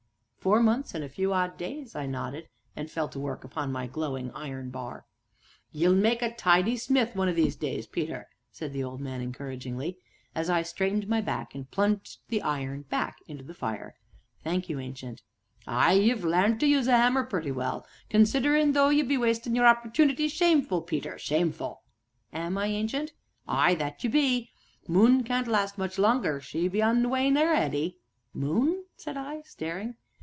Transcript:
"Four months and a few odd days," I nodded, and fell to work upon my glowing iron bar: "Ye'll make a tidy smith one o' these days, Peter," said the old man encouragingly, as I straightened my back and plunged the iron back into the fire. "Thank you, Ancient." "Ay you've larned to use a 'ammer purty well, considerin', though you be wastin' your opportoonities shameful, Peter, shameful." "Am I, Ancient?" "Ay, that ye be moon can't last much longer she be on the wane a'ready!" "Moon?" said I, staring.